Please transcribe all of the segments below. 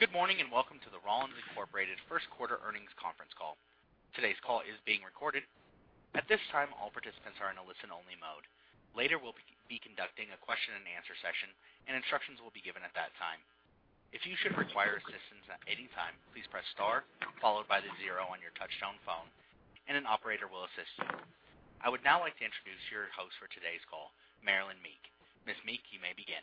Good morning, and welcome to the Rollins Incorporated first quarter earnings conference call. Today's call is being recorded. At this time, all participants are in a listen-only mode. Later, we'll be conducting a question and answer session, and instructions will be given at that time. If you should require assistance at any time, please press star followed by the zero on your touch-tone phone and an operator will assist you. I would now like to introduce your host for today's call, Marilyn Meek. Ms. Meek, you may begin.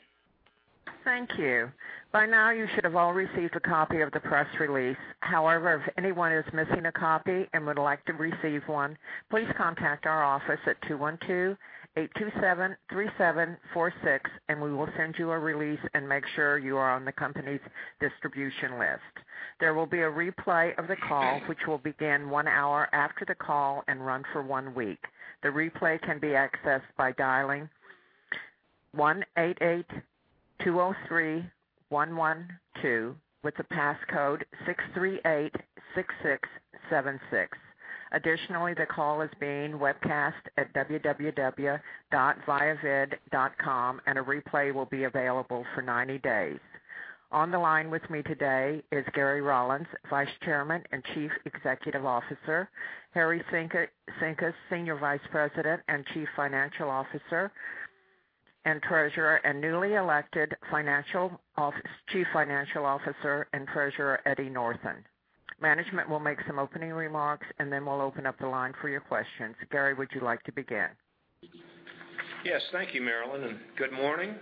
Thank you. By now, you should have all received a copy of the press release. However, if anyone is missing a copy and would like to receive one, please contact our office at 212-827-3746 and we will send you a release and make sure you are on the company's distribution list. There will be a replay of the call, which will begin one hour after the call and run for one week. The replay can be accessed by dialing 1-888-203-1112 with the passcode 6386676. Additionally, the call is being webcast at www.viavid.com, and a replay will be available for 90 days. On the line with me today is Gary Rollins, Vice Chairman and Chief Executive Officer, Harry Cynkus, Senior Vice President and Chief Financial Officer and Treasurer, and newly elected Chief Financial Officer and Treasurer, Eddie Northen. Management will make some opening remarks, and then we'll open up the line for your questions. Gary, would you like to begin? Yes. Thank you, Marilyn, and good morning.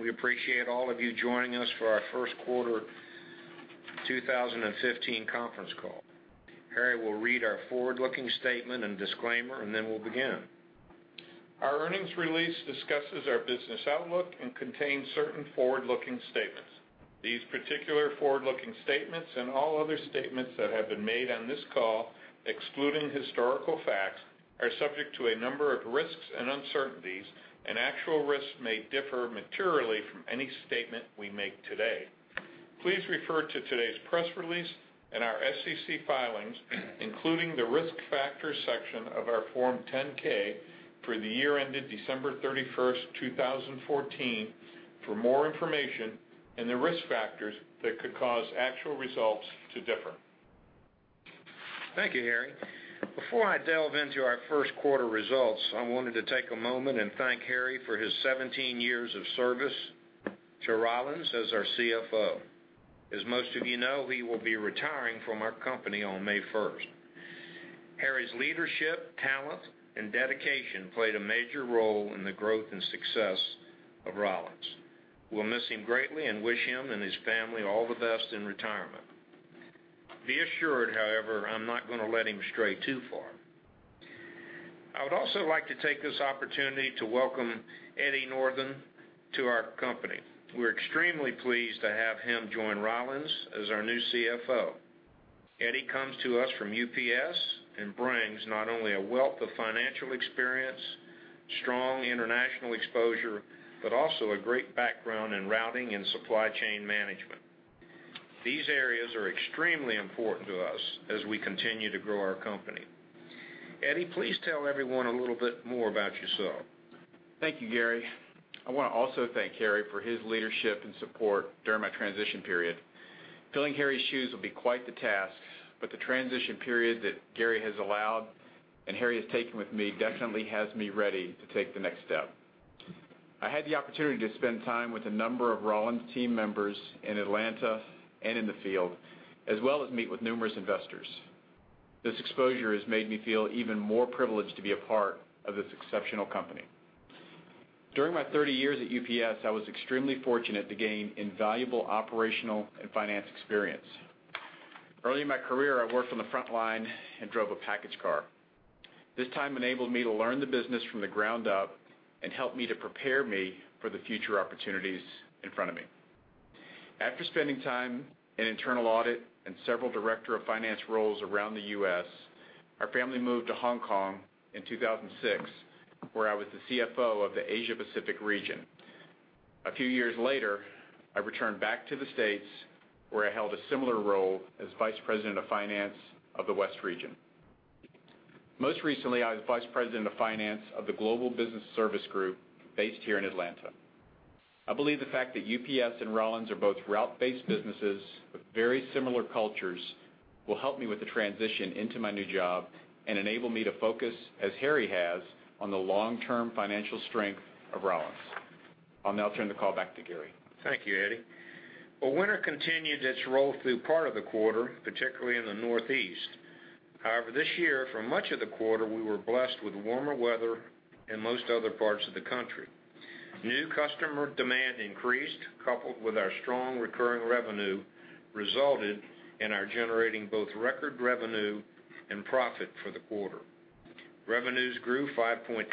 We appreciate all of you joining us for our first quarter 2015 conference call. Harry will read our forward-looking statement and disclaimer, and then we'll begin. Our earnings release discusses our business outlook and contains certain forward-looking statements. These particular forward-looking statements and all other statements that have been made on this call, excluding historical facts, are subject to a number of risks and uncertainties, and actual risks may differ materially from any statement we make today. Please refer to today's press release and our SEC filings, including the Risk Factors section of our Form 10-K for the year ended December 31st, 2014, for more information and the risk factors that could cause actual results to differ. Thank you, Harry. Before I delve into our first quarter results, I wanted to take a moment and thank Harry for his 17 years of service to Rollins as our CFO. As most of you know, he will be retiring from our company on May 1st. Harry's leadership, talent, and dedication played a major role in the growth and success of Rollins. We'll miss him greatly and wish him and his family all the best in retirement. Be assured, however, I'm not going to let him stray too far. I would also like to take this opportunity to welcome Eddie Northen to our company. We're extremely pleased to have him join Rollins as our new CFO. Eddie comes to us from UPS and brings not only a wealth of financial experience, strong international exposure, but also a great background in routing and supply chain management. These areas are extremely important to us as we continue to grow our company. Eddie, please tell everyone a little bit more about yourself. Thank you, Gary. I want to also thank Harry for his leadership and support during my transition period. Filling Harry's shoes will be quite the task, but the transition period that Gary has allowed and Harry has taken with me definitely has me ready to take the next step. I had the opportunity to spend time with a number of Rollins team members in Atlanta and in the field, as well as meet with numerous investors. This exposure has made me feel even more privileged to be a part of this exceptional company. During my 30 years at UPS, I was extremely fortunate to gain invaluable operational and finance experience. Early in my career, I worked on the front line and drove a package car. This time enabled me to learn the business from the ground up and helped me to prepare for the future opportunities in front of me. After spending time in internal audit and several director of finance roles around the U.S., our family moved to Hong Kong in 2006, where I was the CFO of the Asia Pacific region. A few years later, I returned back to the States, where I held a similar role as Vice President of Finance of the West region. Most recently, I was Vice President of Finance of the Global Business Services Group based here in Atlanta. I believe the fact that UPS and Rollins are both route-based businesses with very similar cultures will help me with the transition into my new job and enable me to focus, as Harry has, on the long-term financial strength of Rollins. I'll now turn the call back to Gary. Thank you, Eddie. Well, winter continued its roll through part of the quarter, particularly in the Northeast. However, this year, for much of the quarter, we were blessed with warmer weather in most other parts of the country. New customer demand increased, coupled with our strong recurring revenue, resulted in our generating both record revenue and profit for the quarter. Revenues grew 5.6%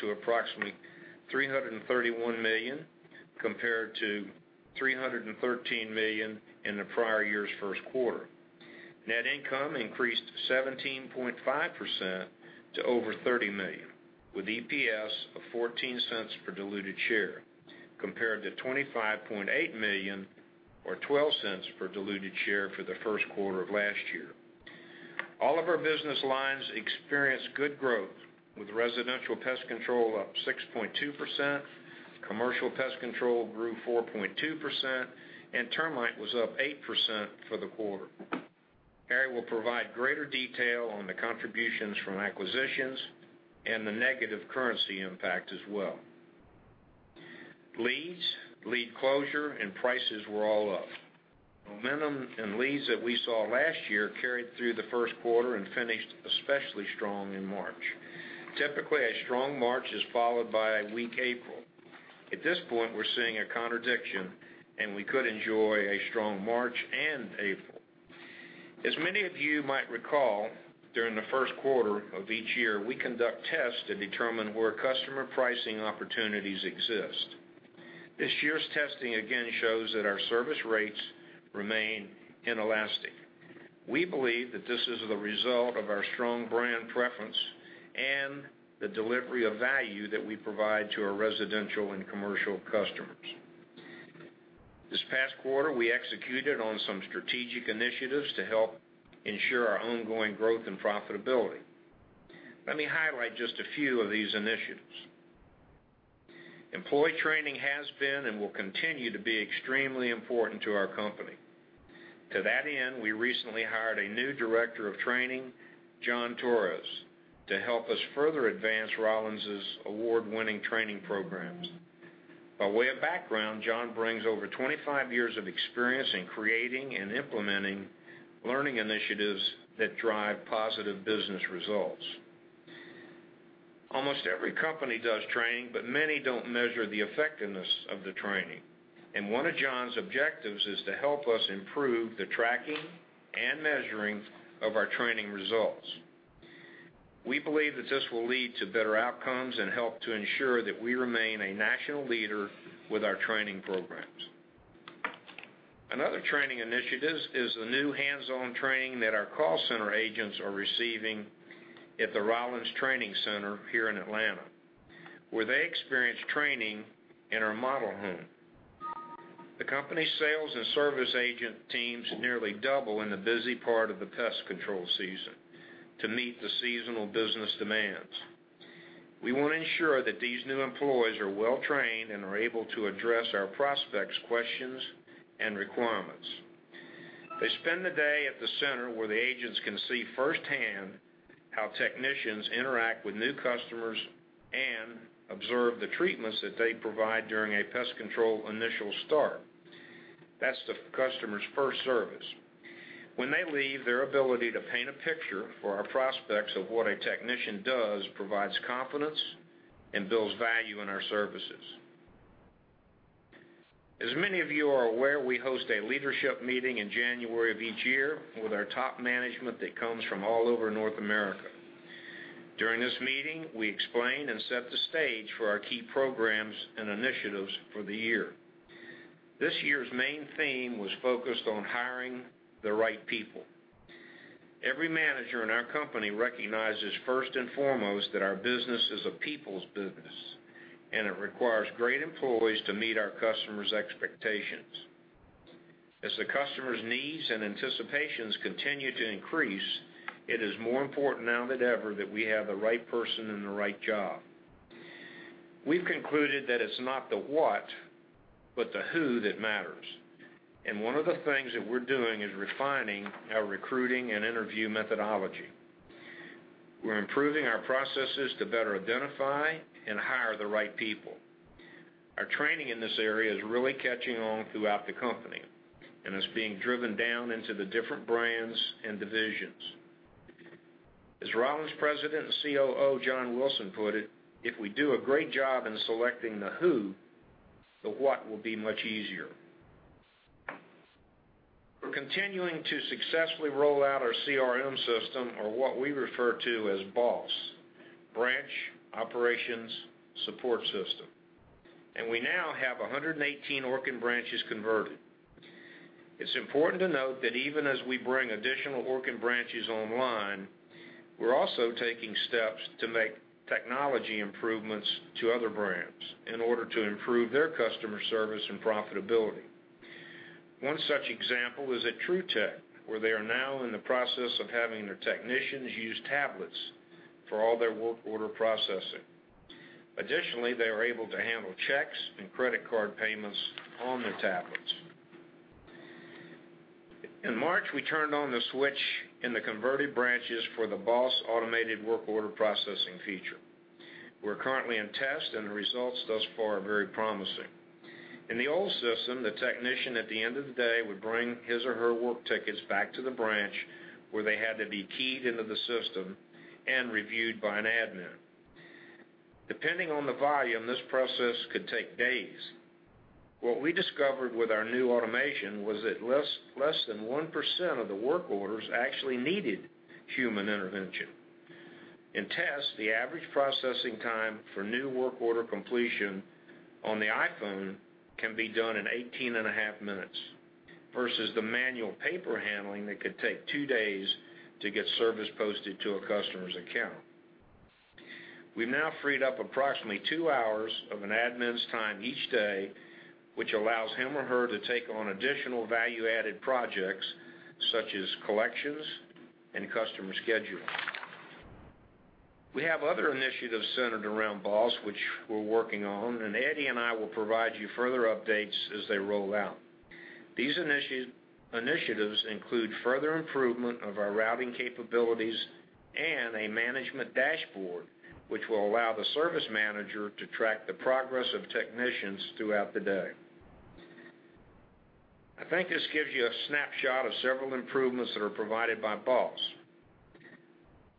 to approximately $331 million compared to $313 million in the prior year's first quarter. Net income increased 17.5% to over $30 million with EPS of $0.14 for diluted share, compared to $25.8 million or $0.12 for diluted share for the first quarter of last year. All of our business lines experienced good growth, with residential pest control up 6.2%, commercial pest control grew 4.2%, and termite was up 8% for the quarter. Harry will provide greater detail on the contributions from acquisitions and the negative currency impact as well. Leads, lead closure, and prices were all up. Momentum in leads that we saw last year carried through the first quarter and finished especially strong in March. Typically, a strong March is followed by a weak April. At this point, we're seeing a contradiction, and we could enjoy a strong March and April. As many of you might recall, during the first quarter of each year, we conduct tests to determine where customer pricing opportunities exist. This year's testing again shows that our service rates remain inelastic. We believe that this is the result of our strong brand preference and the delivery of value that we provide to our residential and commercial customers. This past quarter, we executed on some strategic initiatives to help ensure our ongoing growth and profitability. Let me highlight just a few of these initiatives. Employee training has been and will continue to be extremely important to our company. To that end, we recently hired a new director of training, John Torres, to help us further advance Rollins' award-winning training programs. By way of background, John brings over 25 years of experience in creating and implementing learning initiatives that drive positive business results. Almost every company does training, but many don't measure the effectiveness of the training. One of John's objectives is to help us improve the tracking and measuring of our training results. We believe that this will lead to better outcomes and help to ensure that we remain a national leader with our training programs. Another training initiative is the new hands-on training that our call center agents are receiving at the Rollins Learning Center here in Atlanta, where they experience training in our model home. The company sales and service agent teams nearly double in the busy part of the pest control season to meet the seasonal business demands. We want to ensure that these new employees are well trained and are able to address our prospects' questions and requirements. They spend the day at the center, where the agents can see firsthand how technicians interact with new customers and observe the treatments that they provide during a pest control initial start. That's the customer's first service. When they leave, their ability to paint a picture for our prospects of what a technician does provides confidence and builds value in our services. As many of you are aware, we host a leadership meeting in January of each year with our top management that comes from all over North America. During this meeting, we explain and set the stage for our key programs and initiatives for the year. This year's main theme was focused on hiring the right people. Every manager in our company recognizes first and foremost that our business is a people's business, and it requires great employees to meet our customers' expectations. As the customers' needs and anticipations continue to increase, it is more important now than ever that we have the right person in the right job. We've concluded that it's not the what, but the who that matters. One of the things that we're doing is refining our recruiting and interview methodology. We're improving our processes to better identify and hire the right people. Our training in this area is really catching on throughout the company and is being driven down into the different brands and divisions. As Rollins President and COO, John Wilson, put it, "If we do a great job in selecting the who, the what will be much easier." We're continuing to successfully roll out our CRM system or what we refer to as BOSS, Branch Operations Support System, and we now have 118 Orkin branches converted. It's important to note that even as we bring additional Orkin branches online, we're also taking steps to make technology improvements to other brands in order to improve their customer service and profitability. One such example is at Trutech, where they are now in the process of having their technicians use tablets for all their work order processing. Additionally, they are able to handle checks and credit card payments on their tablets. In March, we turned on the switch in the converted branches for the BOSS automated work order processing feature. We're currently in test, and the results thus far are very promising. In the old system, the technician at the end of the day would bring his or her work tickets back to the branch where they had to be keyed into the system and reviewed by an admin. Depending on the volume, this process could take days. What we discovered with our new automation was that less than 1% of the work orders actually needed human intervention. In tests, the average processing time for new work order completion on the iPhone can be done in 18 and a half minutes versus the manual paper handling that could take two days to get service posted to a customer's account. We've now freed up approximately two hours of an admin's time each day, which allows him or her to take on additional value-added projects, such as collections and customer scheduling. We have other initiatives centered around BOSS which we're working on, and Eddie and I will provide you further updates as they roll out. These initiatives include further improvement of our routing capabilities and a management dashboard, which will allow the service manager to track the progress of technicians throughout the day. I think this gives you a snapshot of several improvements that are provided by BOSS.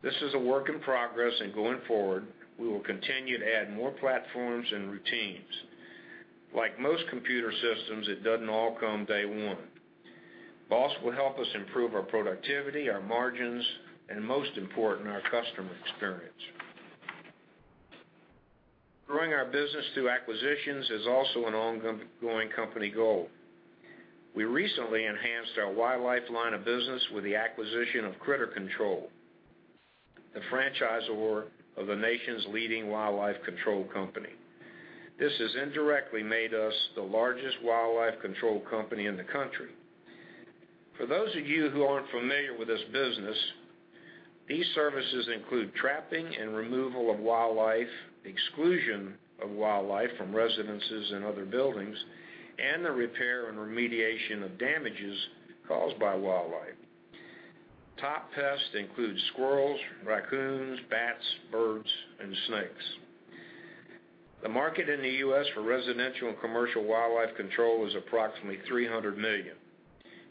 This is a work in progress and going forward, we will continue to add more platforms and routines. Like most computer systems, it doesn't all come day one. BOSS will help us improve our productivity, our margins, and most important, our customer experience. Growing our business through acquisitions is also an ongoing company goal. We recently enhanced our wildlife line of business with the acquisition of Critter Control, the franchisor of the nation's leading wildlife control company. This has indirectly made us the largest wildlife control company in the country. For those of you who aren't familiar with this business, these services include trapping and removal of wildlife, exclusion of wildlife from residences and other buildings, and the repair and remediation of damages caused by wildlife. Top pests include squirrels, raccoons, bats, birds, and snakes. The market in the U.S. for residential and commercial wildlife control is approximately $300 million,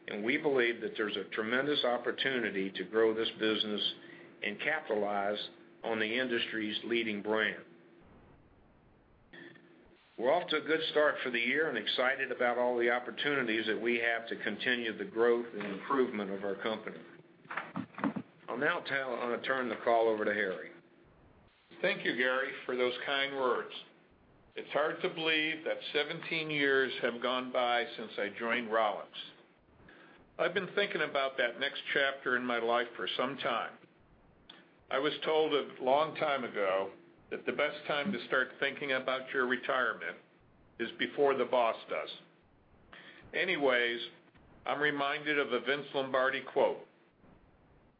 and we believe that there's a tremendous opportunity to grow this business and capitalize on the industry's leading brand. We're off to a good start for the year and excited about all the opportunities that we have to continue the growth and improvement of our company. I'll now turn the call over to Harry. Thank you, Gary, for those kind words. It's hard to believe that 17 years have gone by since I joined Rollins. I've been thinking about that next chapter in my life for some time. I was told a long time ago that the best time to start thinking about your retirement is before the boss does. I'm reminded of a Vince Lombardi quote,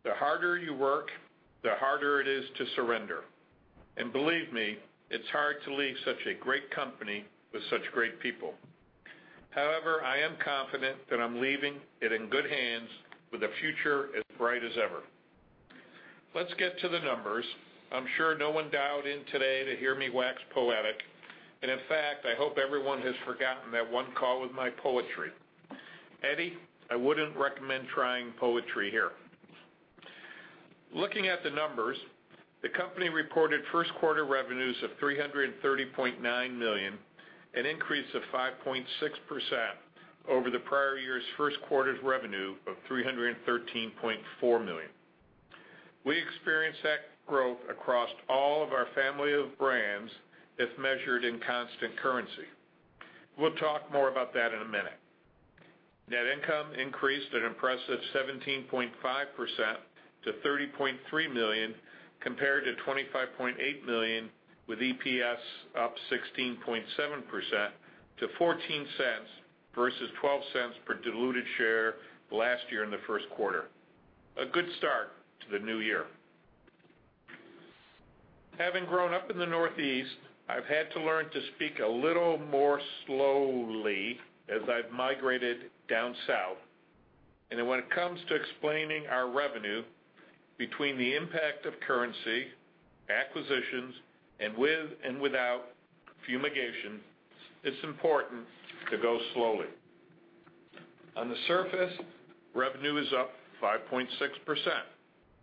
"The harder you work, the harder it is to surrender." Believe me, it's hard to leave such a great company with such great people. However, I am confident that I'm leaving it in good hands with a future as bright as ever. Let's get to the numbers. I'm sure no one dialed in today to hear me wax poetic, and in fact, I hope everyone has forgotten that one call with my poetry. Eddie, I wouldn't recommend trying poetry here. Looking at the numbers, the company reported first quarter revenues of $330.9 million, an increase of 5.6% over the prior year's first quarter's revenue of $313.4 million. We experienced that growth across all of our family of brands, if measured in constant currency. We'll talk more about that in a minute. Net income increased an impressive 17.5% to $30.3 million, compared to $25.8 million, with EPS up 16.7% to $0.14 versus $0.12 per diluted share last year in the first quarter. A good start to the new year. Having grown up in the Northeast, I've had to learn to speak a little more slowly as I've migrated down South. When it comes to explaining our revenue, between the impact of currency, acquisitions, and with and without fumigation, it's important to go slowly. On the surface, revenue is up 5.6%,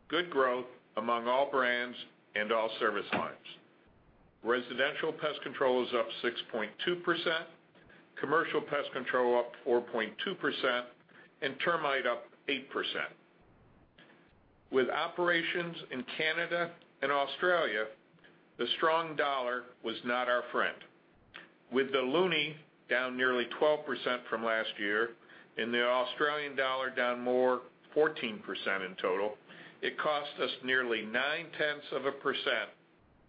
good growth among all brands and all service lines. Residential pest control is up 6.2%, commercial pest control up 4.2%, and termite up 8%. With operations in Canada and Australia, the strong dollar was not our friend. With the loonie down nearly 12% from last year and the Australian dollar down more 14% in total, it cost us nearly 0.9%,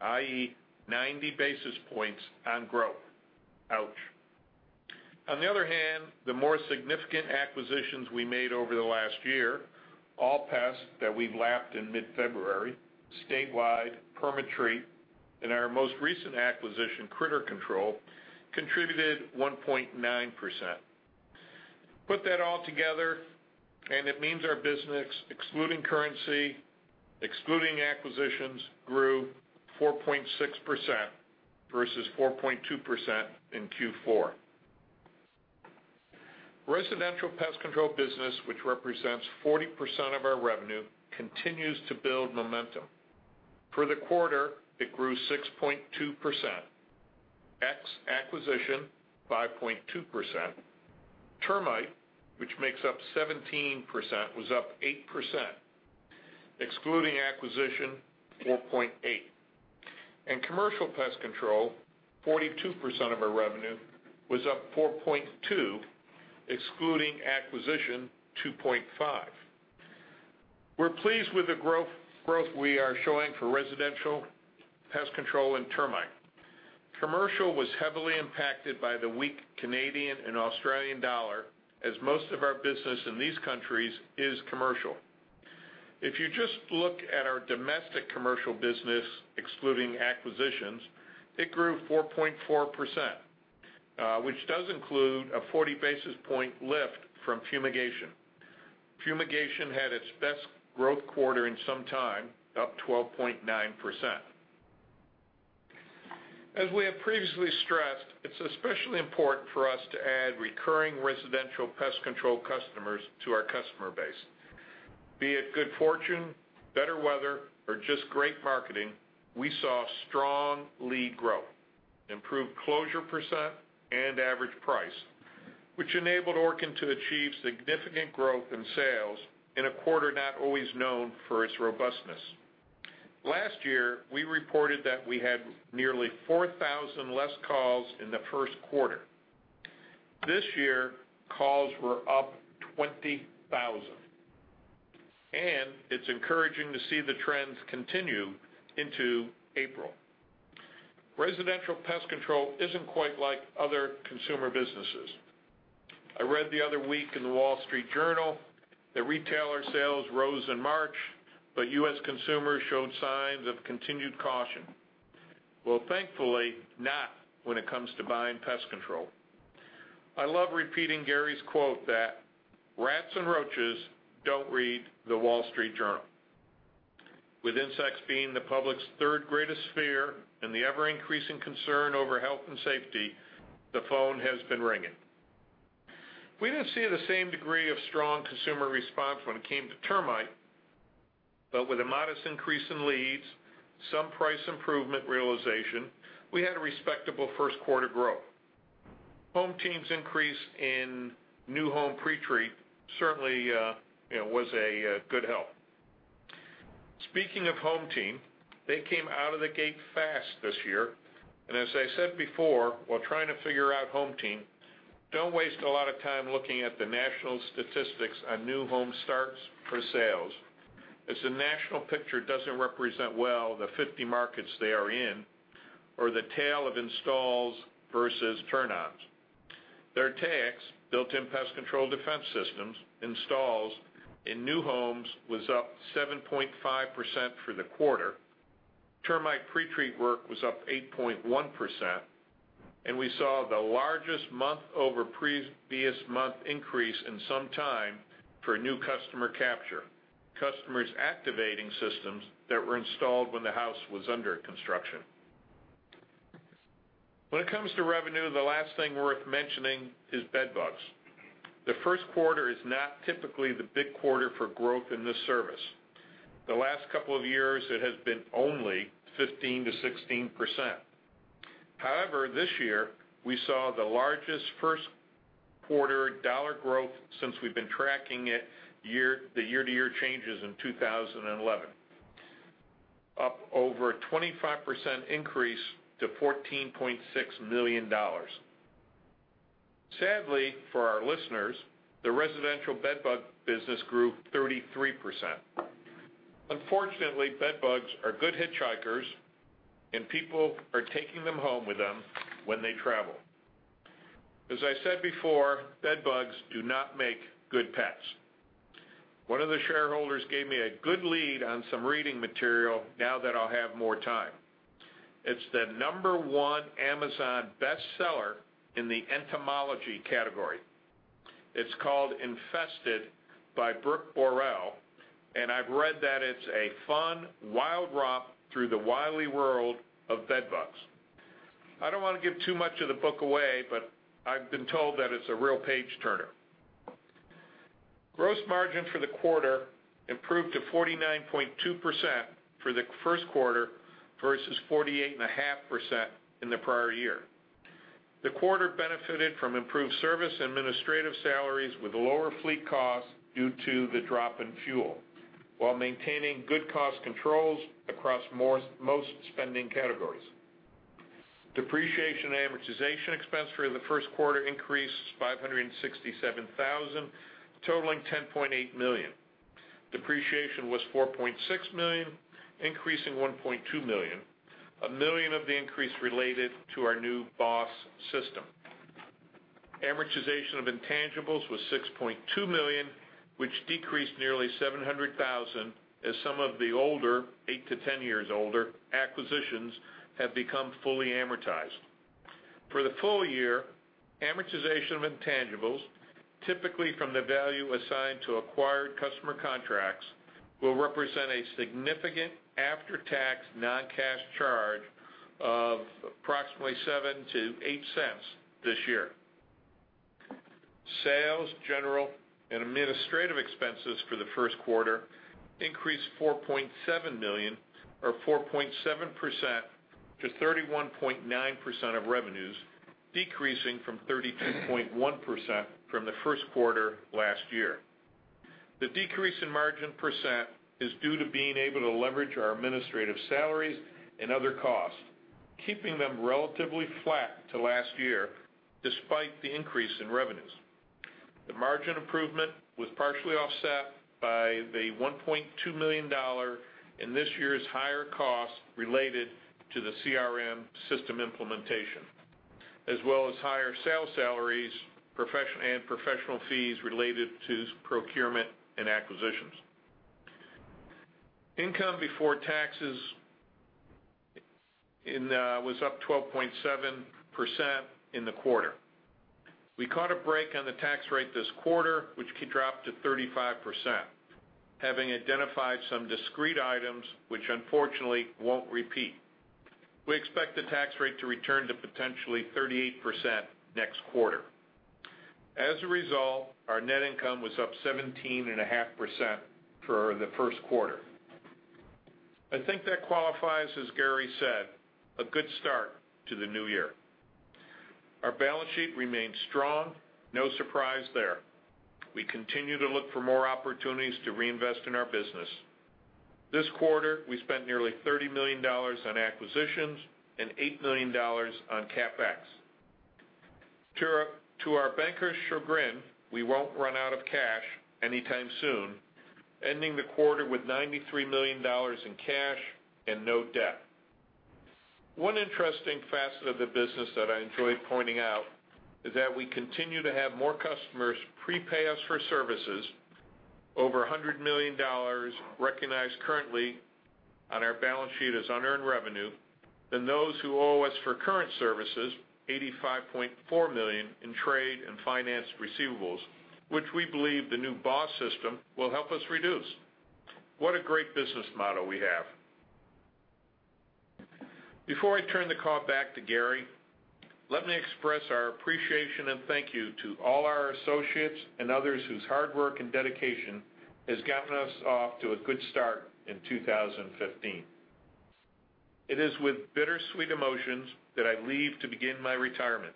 i.e., 90 basis points on growth. Ouch. On the other hand, the more significant acquisitions we made over the last year, Allpest, that we lapped in mid-February, Statewide, PermaTreat, and our most recent acquisition, Critter Control, contributed 1.9%. Put that all together and it means our business, excluding currency, excluding acquisitions, grew 4.6% versus 4.2% in Q4. Residential pest control business, which represents 40% of our revenue, continues to build momentum. For the quarter, it grew 6.2%, ex-acquisition 5.2%. Termite, which makes up 17%, was up 8%, excluding acquisition 4.8%. Commercial pest control, 42% of our revenue, was up 4.2%, excluding acquisition 2.5%. We're pleased with the growth we are showing for residential pest control and termite. Commercial was heavily impacted by the weak Canadian and Australian dollar, as most of our business in these countries is commercial. If you just look at our domestic commercial business, excluding acquisitions, it grew 4.4%, which does include a 40 basis point lift from fumigation. Fumigation had its best growth quarter in some time, up 12.9%. As we have previously stressed, it's especially important for us to add recurring residential pest control customers to our customer base. Be it good fortune, better weather, or just great marketing, we saw strong lead growth, improved closure percent, and average price, which enabled Orkin to achieve significant growth in sales in a quarter not always known for its robustness. Last year, we reported that we had nearly 4,000 less calls in the first quarter. This year, calls were up 20,000, and it's encouraging to see the trends continue into April. Residential pest control isn't quite like other consumer businesses. I read the other week in The Wall Street Journal that retailer sales rose in March, but U.S. consumers showed signs of continued caution. Well, thankfully not when it comes to buying pest control. I love repeating Gary's quote that, "Rats and roaches don't read The Wall Street Journal." With insects being the public's third greatest fear and the ever-increasing concern over health and safety, the phone has been ringing. We didn't see the same degree of strong consumer response when it came to termite. With a modest increase in leads, some price improvement realization, we had a respectable first quarter growth. HomeTeam's increase in new home pre-treat certainly was a good help. Speaking of HomeTeam, they came out of the gate fast this year. As I said before, while trying to figure out HomeTeam, don't waste a lot of time looking at the national statistics on new home starts for sales, as the national picture doesn't represent well the 50 markets they are in or the tale of installs versus turn-ons. Their Taexx, built-in pest control defense systems installs in new homes was up 7.5% for the quarter. Termite pre-treat work was up 8.1%, and we saw the largest month-over-previous month increase in some time for new customer capture. Customers activating systems that were installed when the house was under construction. When it comes to revenue, the last thing worth mentioning is bed bugs. The first quarter is not typically the big quarter for growth in this service. The last couple of years, it has been only 15%-16%. However, this year, we saw the largest first-quarter dollar growth since we've been tracking it, the year-to-year changes in 2011, up over a 25% increase to $14.6 million. Sadly for our listeners, the residential bed bug business grew 33%. Unfortunately, bed bugs are good hitchhikers and people are taking them home with them when they travel. As I said before, bed bugs do not make good pets. One of the shareholders gave me a good lead on some reading material now that I'll have more time. It's the number 1 Amazon bestseller in the entomology category. It's called "Infested" by Brooke Borel. I've read that it's a fun, wild romp through the wily world of bed bugs. I don't want to give too much of the book away. I've been told that it's a real page-turner. Gross margin for the quarter improved to 49.2% for the first quarter versus 48.5% in the prior year. The quarter benefited from improved service and administrative salaries with lower fleet costs due to the drop in fuel, while maintaining good cost controls across most spending categories. Depreciation and amortization expense for the first quarter increased $567,000, totaling $10.8 million. Depreciation was $4.6 million, increasing $1.2 million, $1 million of the increase related to our new BOSS system. Amortization of intangibles was $6.2 million, which decreased nearly $700,000 as some of the older, 8-10 years older, acquisitions have become fully amortized. For the full year, amortization of intangibles, typically from the value assigned to acquired customer contracts, will represent a significant after-tax non-cash charge of approximately $0.07-$0.08 this year. Sales, general and administrative expenses for the first quarter increased $4.7 million, or 4.7% to 31.9% of revenues, decreasing from 32.1% from the first quarter last year. The decrease in margin percent is due to being able to leverage our administrative salaries and other costs. Keeping them relatively flat to last year despite the increase in revenues. The margin improvement was partially offset by the $1.2 million in this year's higher costs related to the CRM system implementation, as well as higher sales salaries and professional fees related to procurement and acquisitions. Income before taxes was up 12.7% in the quarter. We caught a break on the tax rate this quarter, which dropped to 35%, having identified some discrete items, which unfortunately won't repeat. We expect the tax rate to return to potentially 38% next quarter. As a result, our net income was up 17.5% for the first quarter. I think that qualifies, as Gary said, a good start to the new year. Our balance sheet remains strong. No surprise there. We continue to look for more opportunities to reinvest in our business. This quarter, we spent nearly $30 million on acquisitions and $8 million on CapEx. To our bankers' chagrin, we won't run out of cash anytime soon, ending the quarter with $93 million in cash and no debt. One interesting facet of the business that I enjoy pointing out is that we continue to have more customers prepay us for services, over $100 million recognized currently on our balance sheet as unearned revenue, than those who owe us for current services, $85.4 million in trade and finance receivables, which we believe the new BOSS system will help us reduce. What a great business model we have. Before I turn the call back to Gary, let me express our appreciation and thank you to all our associates and others whose hard work and dedication has gotten us off to a good start in 2015. It is with bittersweet emotions that I leave to begin my retirement.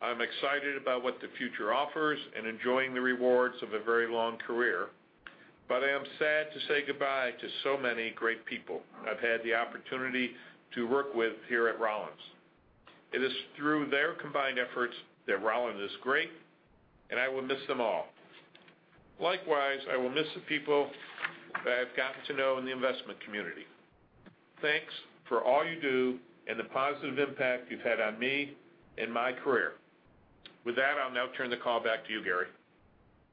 I'm excited about what the future offers and enjoying the rewards of a very long career, but I am sad to say goodbye to so many great people I've had the opportunity to work with here at Rollins. It is through their combined efforts that Rollins is great, and I will miss them all. Likewise, I will miss the people that I've gotten to know in the investment community. Thanks for all you do and the positive impact you've had on me and my career. With that, I'll now turn the call back to you, Gary.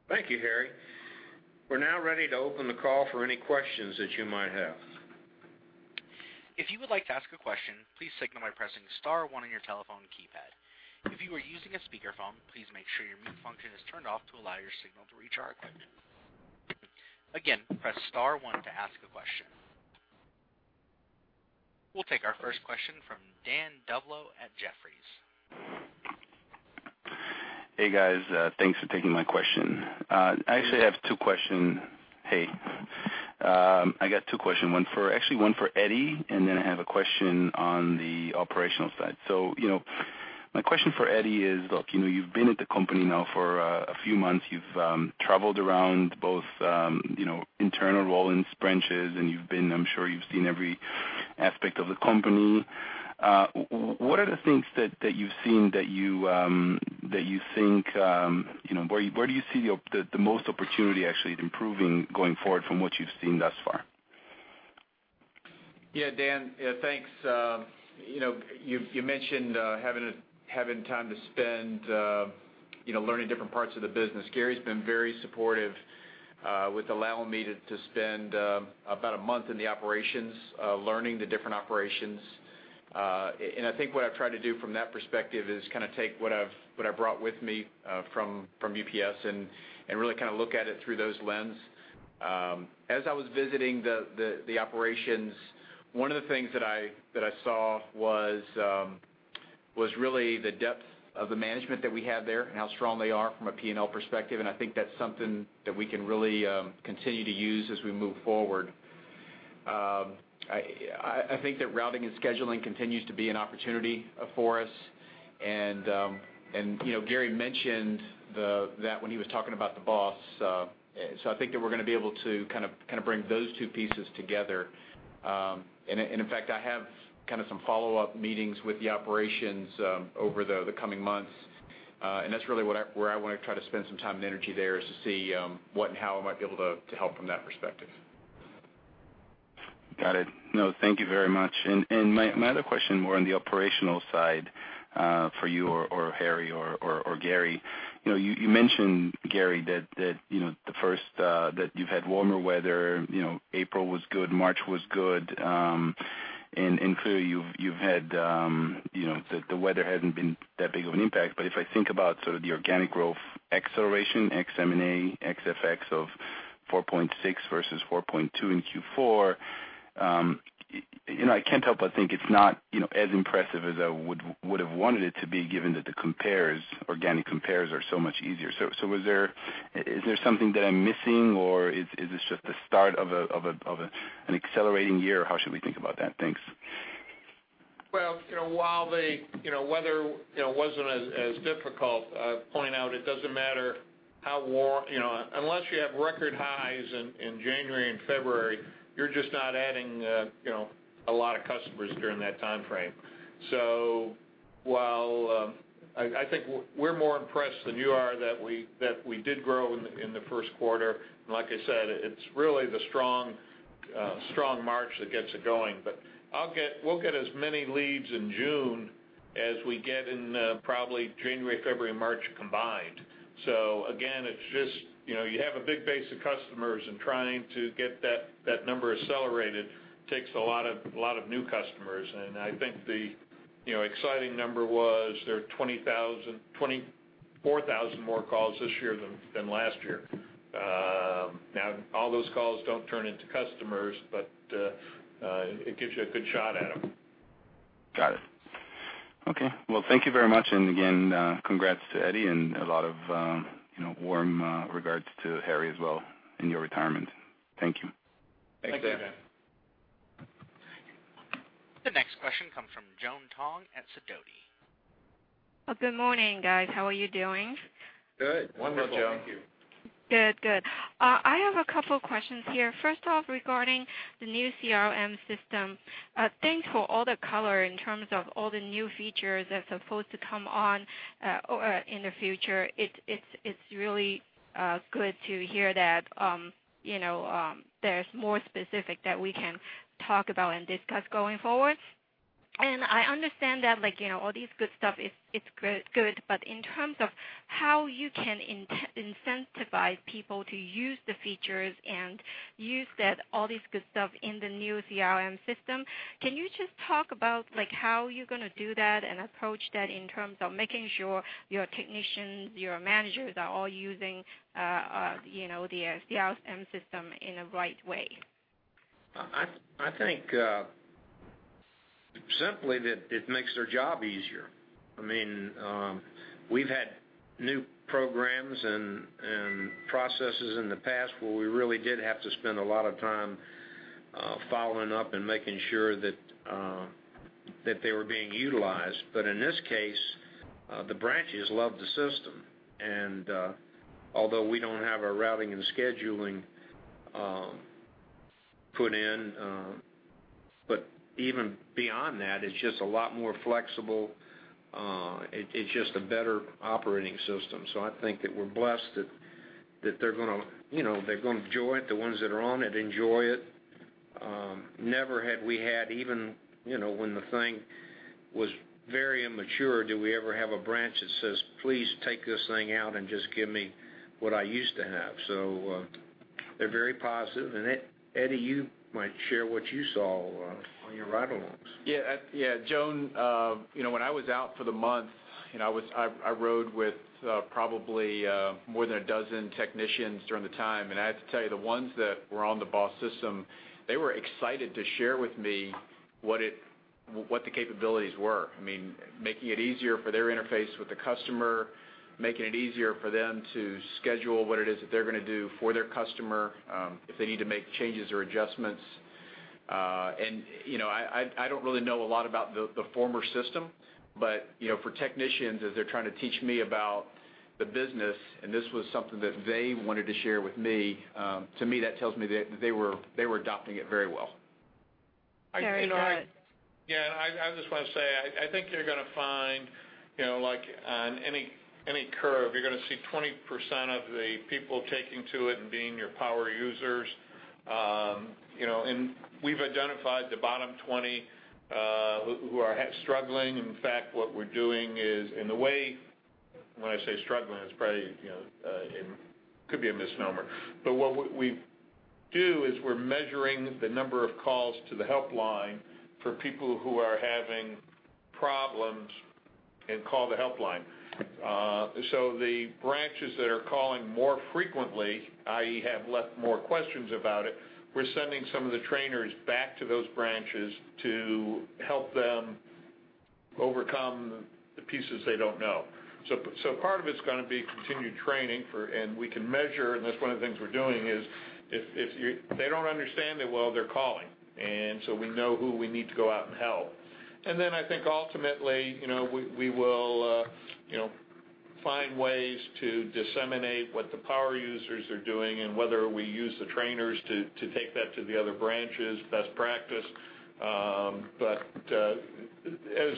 Thank you, Harry. We're now ready to open the call for any questions that you might have. If you would like to ask a question, please signal by pressing *1 on your telephone keypad. If you are using a speakerphone, please make sure your mute function is turned off to allow your signal to reach our equipment. Again, press *1 to ask a question. We'll take our first question from Dan Dolev at Jefferies. Hey, guys. Thanks for taking my question. I actually have two questions. Yeah. Hey. I got two questions. Actually, one for Eddie, and then I have a question on the operational side. My question for Eddie is, look, you've been at the company now for a few months. You've traveled around both internal Rollins branches, and I'm sure you've seen every aspect of the company. What are the things that you've seen? Where do you see the most opportunity actually improving going forward from what you've seen thus far? Yeah, Dan. Thanks. You mentioned having time to spend learning different parts of the business. Gary's been very supportive with allowing me to spend about a month in the operations, learning the different operations. I think what I've tried to do from that perspective is take what I've brought with me from UPS and really look at it through those lens. As I was visiting the operations, one of the things that I saw was really the depth of the management that we have there and how strong they are from a P&L perspective, I think that's something that we can really continue to use as we move forward. I think that routing and scheduling continues to be an opportunity for us. Gary mentioned that when he was talking about the BOSS. I think that we're going to be able to bring those two pieces together. In fact, I have some follow-up meetings with the operations over the coming months. That's really where I want to try to spend some time and energy there, is to see what and how I might be able to help from that perspective. Got it. No, thank you very much. My other question, more on the operational side for you or Harry or Gary. You mentioned, Gary, that you've had warmer weather. April was good, March was good. Clearly, the weather hasn't been that big of an impact. If I think about sort of the organic growth acceleration, ex M&A, ex effects of 4.6% versus 4.2% in Q4, I can't help but think it's not as impressive as I would've wanted it to be given that the organic compares are so much easier. Is there something that I'm missing, or is this just the start of an accelerating year? How should we think about that? Thanks. Well, while the weather wasn't as difficult, I point out it doesn't matter Unless you have record highs in January and February, you're just not adding a lot of customers during that timeframe. While I think we're more impressed than you are that we did grow in the first quarter, and like I said, it's really the strong March that gets it going. We'll get as many leads in June as we get in probably January, February, March combined. Again, you have a big base of customers, and trying to get that number accelerated takes a lot of new customers. I think the exciting number was there are 24,000 more calls this year than last year. Now, all those calls don't turn into customers, but it gives you a good shot at them. Got it. Okay. Well, thank you very much. Again, congrats to Eddie, and a lot of warm regards to Harry as well in your retirement. Thank you. Thanks, Dan. Thanks, Dan. The next question comes from Joan Tong at Sidoti. Good morning, guys. How are you doing? Good. Wonderful, thank you. One more, Joan. Good. I have a couple questions here. First off, regarding the new CRM system. Thanks for all the color in terms of all the new features that's supposed to come on in the future. It's really good to hear that there's more specific that we can talk about and discuss going forward. I understand that all this good stuff is good, but in terms of how you can incentivize people to use the features and use all this good stuff in the new CRM system, can you just talk about how you're going to do that and approach that in terms of making sure your technicians, your managers, are all using the CRM system in the right way? I think, simply, that it makes their job easier. We've had new programs and processes in the past where we really did have to spend a lot of time following up and making sure that they were being utilized. In this case, the branches love the system. Although we don't have our routing and scheduling put in, but even beyond that, it's just a lot more flexible. It's just a better operating system. I think that we're blessed that they're going to enjoy it, the ones that are on it enjoy it. Never had we had, even when the thing was very immature, did we ever have a branch that says, "Please take this thing out and just give me what I used to have." They're very positive. Eddie, you might share what you saw on your ride-alongs. Joan, when I was out for the month, I rode with probably more than a dozen technicians during the time. I have to tell you, the ones that were on the BOSS system, they were excited to share with me what the capabilities were. Making it easier for their interface with the customer, making it easier for them to schedule what it is that they're going to do for their customer, if they need to make changes or adjustments. I don't really know a lot about the former system, but for technicians, as they're trying to teach me about the business, and this was something that they wanted to share with me, to me, that tells me that they were adopting it very well. Gary or Ed? I just want to say, I think you're going to find, like on any curve, you're going to see 20% of the people taking to it and being your power users. We've identified the bottom 20 who are struggling. In fact, what we're doing is, and when I say struggling, it could be a misnomer, but what we do is we're measuring the number of calls to the helpline for people who are having problems and call the helpline. The branches that are calling more frequently, i.e., have more questions about it, we're sending some of the trainers back to those branches to help them overcome the pieces they don't know. Part of it's going to be continued training. We can measure, and that's one of the things we're doing is, if they don't understand it well, they're calling. We know who we need to go out and help. I think ultimately, we will find ways to disseminate what the power users are doing, and whether we use the trainers to take that to the other branches, best practice.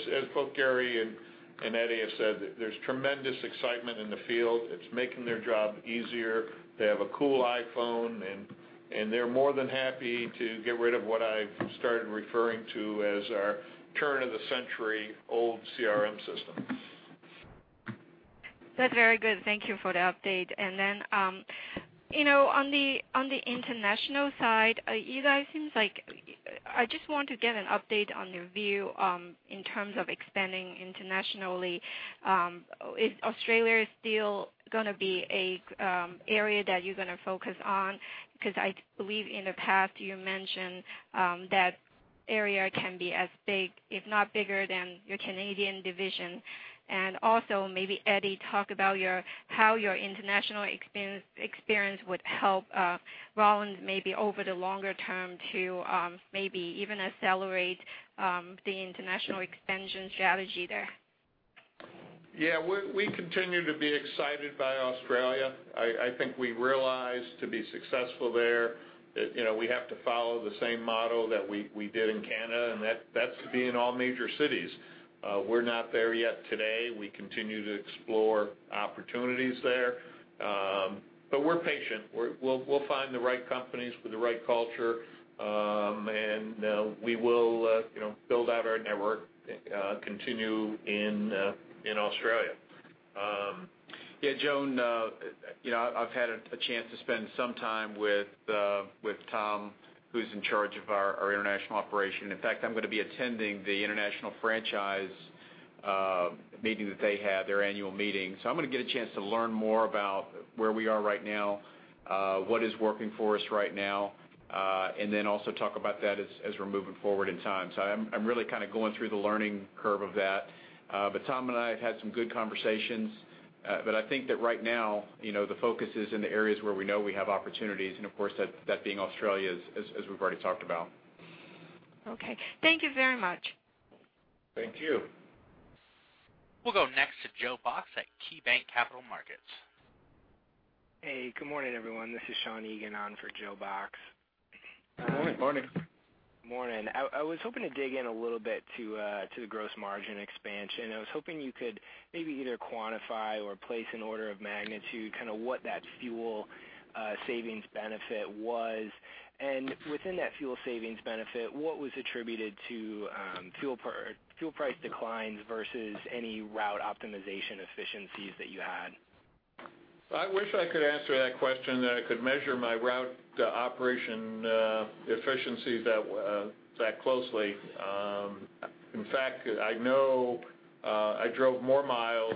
As both Gary and Eddie have said, there's tremendous excitement in the field. It's making their job easier. They have a cool iPhone, and they're more than happy to get rid of what I've started referring to as our turn-of-the-century, old CRM system. That's very good. Thank you for the update. On the international side, either of you guys, I just want to get an update on your view in terms of expanding internationally. Is Australia still going to be an area that you're going to focus on? Because I believe in the past you mentioned that area can be as big, if not bigger, than your Canadian division. Maybe Eddie, talk about how your international experience would help Rollins maybe over the longer term to maybe even accelerate the international expansion strategy there. We continue to be excited by Australia. I think we realized to be successful there, that we have to follow the same model that we did in Canada, and that's to be in all major cities. We're not there yet today. We continue to explore opportunities there. We're patient. We'll find the right companies with the right culture. We will build out our network, continue in Australia. Joan, I've had a chance to spend some time with Tom, who's in charge of our international operation. In fact, I'm going to be attending the international franchise meeting that they have, their annual meeting. I'm going to get a chance to learn more about where we are right now, what is working for us right now, and then also talk about that as we're moving forward in time. I'm really kind of going through the learning curve of that. Tom and I have had some good conversations. I think that right now, the focus is in the areas where we know we have opportunities, and of course, that being Australia, as we've already talked about. Okay. Thank you very much. Thank you. We'll go next to Joe Box at KeyBanc Capital Markets. Hey, good morning, everyone. This is Sean Egan on for Joe Box. Good morning. Morning. Morning. I was hoping to dig in a little bit to the gross margin expansion. I was hoping you could maybe either quantify or place an order of magnitude, kind of what that fuel savings benefit was. Within that fuel savings benefit, what was attributed to fuel price declines versus any route optimization efficiencies that you had? I wish I could answer that question, that I could measure my route operation efficiency that closely. In fact, I know I drove more miles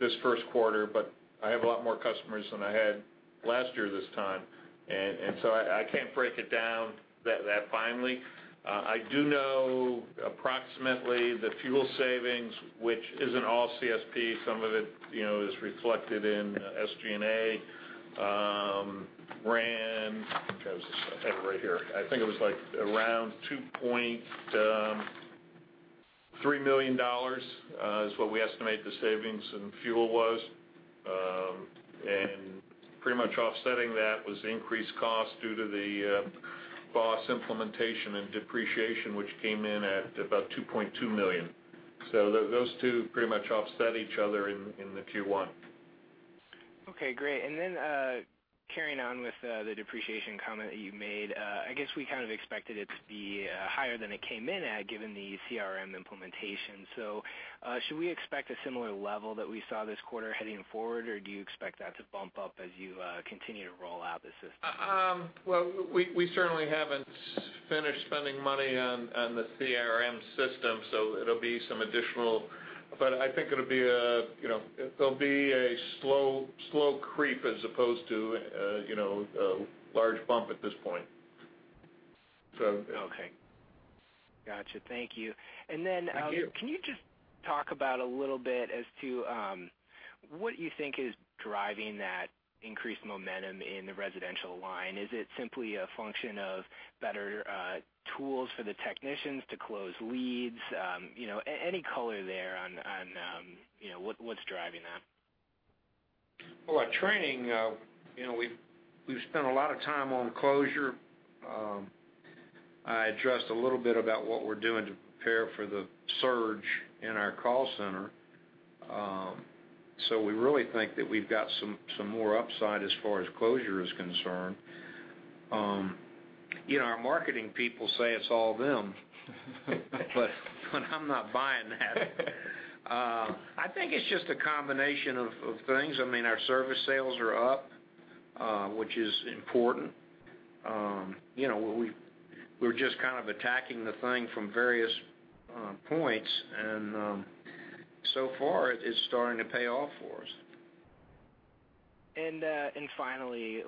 this first quarter, but I have a lot more customers than I had last year this time. I can't break it down that finely. I do know approximately the fuel savings, which isn't all CSP. Some of it is reflected in SG&A, ran, I think I have it right here. I think it was like around $2.3 million, is what we estimate the savings in fuel was. Pretty much offsetting that was the increased cost due to the BOSS implementation and depreciation, which came in at about $2.2 million. Those two pretty much offset each other in the Q1. Okay, great. Carrying on with the depreciation comment that you made, I guess we kind of expected it to be higher than it came in at, given the CRM implementation. Should we expect a similar level that we saw this quarter heading forward? Do you expect that to bump up as you continue to roll out the system? Well, we certainly haven't finished spending money on the CRM system. I think it'll be a slow creep as opposed to a large bump at this point. Yeah. Okay. Got you. Thank you. Thank you. Can you just talk about a little bit as to what you think is driving that increased momentum in the residential line? Is it simply a function of better tools for the technicians to close leads? Any color there on what's driving that? Our training, we've spent a lot of time on closure. I addressed a little bit about what we're doing to prepare for the surge in our call center. We really think that we've got some more upside as far as closure is concerned. Our marketing people say it's all them, I'm not buying that. I think it's just a combination of things. Our service sales are up, which is important. We're just kind of attacking the thing from various points, and so far, it's starting to pay off for us. Finally,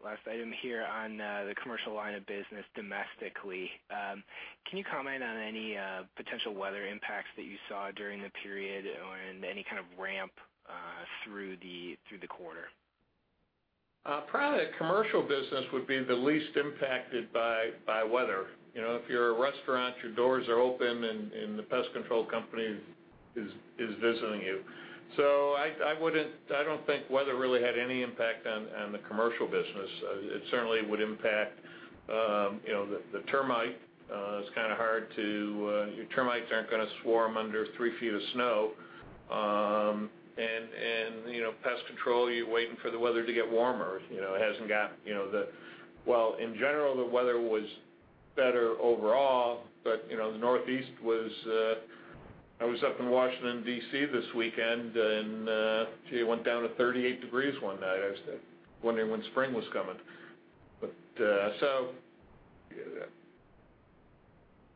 last item here on the commercial line of business domestically. Can you comment on any potential weather impacts that you saw during the period, and any kind of ramp through the quarter? Probably the commercial business would be the least impacted by weather. If you're a restaurant, your doors are open and the pest control company is visiting you. I don't think weather really had any impact on the commercial business. It certainly would impact the termite. Your termites aren't going to swarm under three feet of snow. You're waiting for the weather to get warmer. In general, the weather was better overall, but the Northeast was I was up in Washington, D.C. this weekend, and gee, it went down to 38 degrees one night. I was wondering when spring was coming.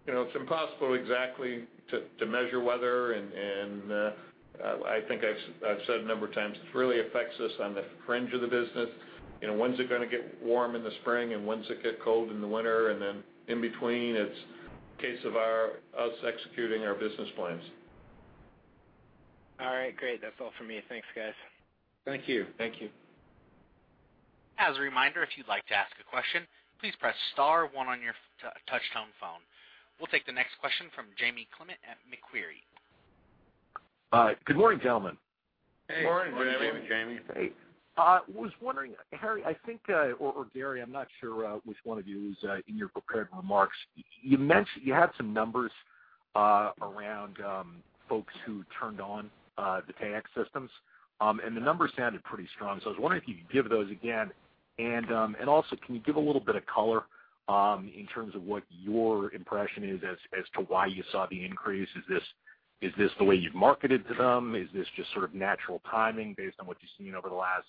It's impossible exactly to measure weather, and I think I've said a number of times, it really affects us on the fringe of the business. When's it going to get warm in the spring, and when's it get cold in the winter? Then in between, it's a case of us executing our business plans. All right, great. That's all for me. Thanks, guys. Thank you. Thank you. As a reminder, if you'd like to ask a question, please press star one on your touch-tone phone. We'll take the next question from James Clement at Macquarie. Good morning, gentlemen. Hey. Good morning, Jamie. Hey. I was wondering, Harry, I think, or Gary, I'm not sure which one of you, in your prepared remarks, you had some numbers around folks who turned on the TAP systems. The numbers sounded pretty strong. I was wondering if you could give those again. Also, can you give a little bit of color in terms of what your impression is as to why you saw the increase? Is this the way you've marketed to them? Is this just sort of natural timing based on what you've seen over the last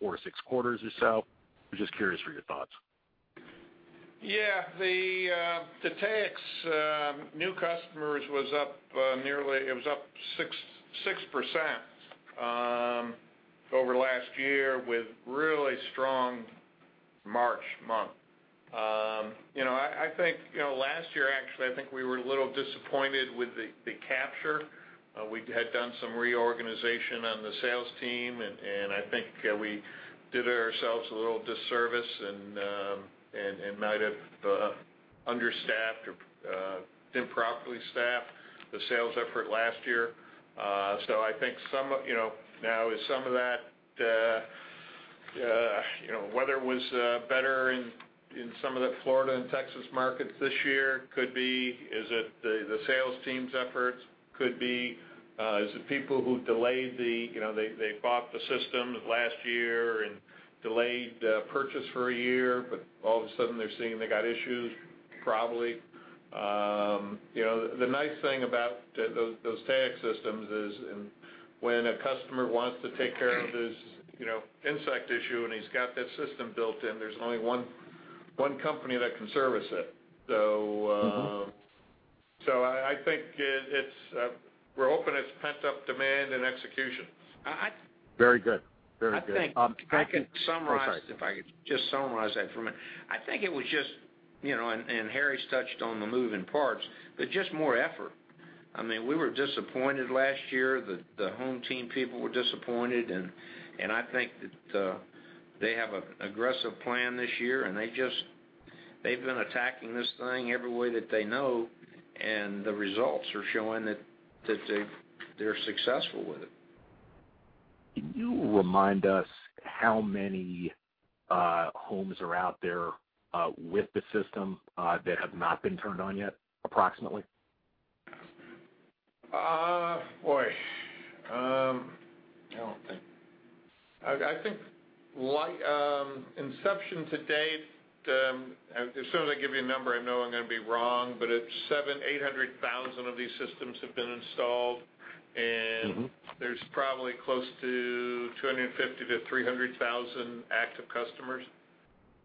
four to six quarters or so? I was just curious for your thoughts. Yeah. The TAP's new customers, it was up 6% over last year with really strong March month. Last year, actually, I think we were a little disappointed with the capture. We had done some reorganization on the sales team, and I think we did ourselves a little disservice and might have understaffed or improperly staffed the sales effort last year. Some of that, weather was better in some of the Florida and Texas markets this year. Could be, is it the sales team's efforts? Could be. Is it people who delayed the They bought the system last year and delayed purchase for a year, but all of a sudden they're seeing they got issues? Probably. The nice thing about those TAP systems is when a customer wants to take care of his insect issue, and he's got that system built in, there's only one company that can service it. I think we're hoping it's pent-up demand and execution. Very good. I think- Oh, go ahead. Oh, sorry. If I could just summarize that for a minute. I think it was just, Harry's touched on the moving parts, but just more effort. We were disappointed last year. The HomeTeam people were disappointed, I think that they have an aggressive plan this year, they've been attacking this thing every way that they know, the results are showing that they're successful with it. Can you remind us how many homes are out there with the system that have not been turned on yet, approximately? Boy. I don't think. I think inception to date, as soon as I give you a number, I know I'm going to be wrong, it's 700,000, 800,000 of these systems have been installed. There's probably close to 250,000 to 300,000 active customers.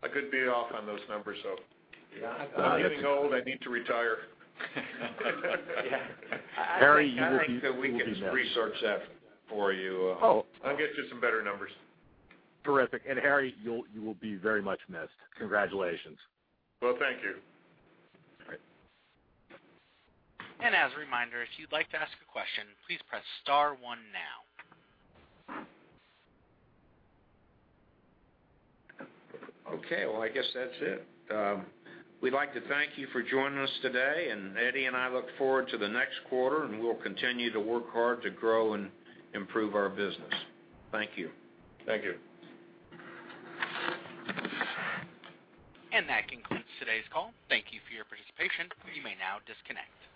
I could be off on those numbers, though. Yeah. I'm getting old. I need to retire. Yeah. Harry, you will be missed. I think that we can resource that for you. Oh. I'll get you some better numbers. Terrific. Harry, you will be very much missed. Congratulations. Well, thank you. All right. As a reminder, if you'd like to ask a question, please press star one now. Okay. Well, I guess that's it. We'd like to thank you for joining us today, and Eddie Northen and I look forward to the next quarter, and we'll continue to work hard to grow and improve our business. Thank you. Thank you. That concludes today's call. Thank you for your participation. You may now disconnect.